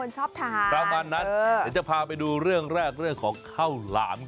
จะพาไปดูเรื่องแรกเคลาม